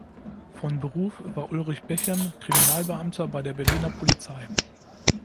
Von Beruf war Ulrich Bechem Kriminalbeamter bei der Berliner Polizei.